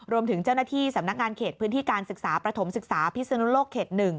รวมถึงเจ้าหน้าที่สำนักงานเขตพื้นที่การศึกษาประถมศึกษาพิศนุโลกเขต๑